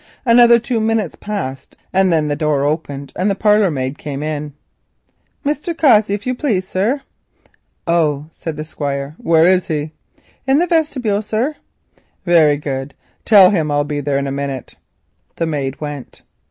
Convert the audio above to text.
Another two minutes went by, then the door opened and the parlour maid came in. "Mr. Cossey, if you please, sir." "Oh," said the Squire. "Where is he?" "In the vestibule, sir." "Very good. Tell him I will be there in a minute." The maid went.